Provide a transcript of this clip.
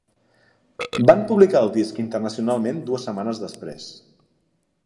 Van publicar el disc internacionalment dues setmanes després.